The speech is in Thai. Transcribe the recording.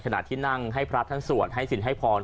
ขณะที่นั่งให้พระท่านสวดให้สินให้พร